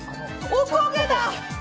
おこげだ！